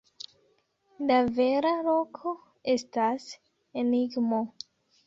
La vera loko estas enigmo.